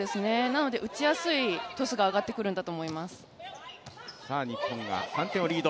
なので、打ちやすいトスが上がってくるんだと思います。